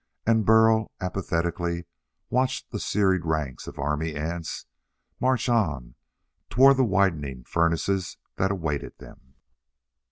And Burl apathetically watched the serried ranks of army ants march on toward the widening furnaces that awaited them.